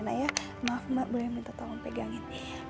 naya maaf mbak boleh minta tolong pegangin